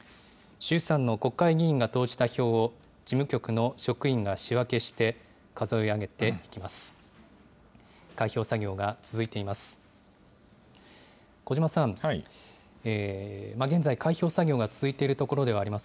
衆参の国会議員が投じた票を、事務局の職員が仕分けして、数え上げていきます。